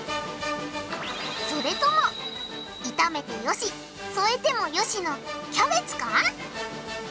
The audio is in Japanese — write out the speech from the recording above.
それとも炒めてよし添えてもよしのキャベツか？